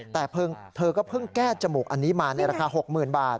แต่เธอก็เพิ่งแก้จมูกอันนี้มาในราคา๖๐๐๐บาท